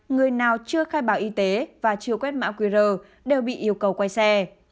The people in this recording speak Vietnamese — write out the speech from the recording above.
người nào chưa khai báo y tế và chưa quét mã qr đều bị yêu cầu quay xe